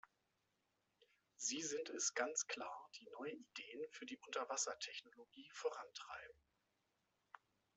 Sie sind es ganz klar, die neue Ideen für die Unterwassertechnologie vorantreiben.